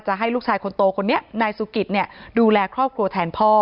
ให้ลูกชายคนโตคนนี้นายสุกิตดูแลครอบครัวแทนพ่อ